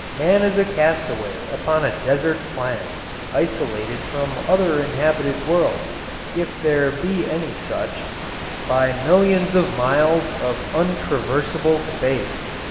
Man is a castaway upon a desert planet, isolated from other inhabited worlds if there be any such by millions of miles of untraversable space.